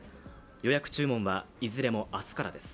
予約注文はいずれも明日からです。